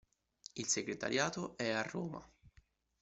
Il Segretariato è a Roma.